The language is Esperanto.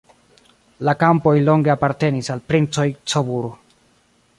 La kampoj longe apartenis al princoj Coburg.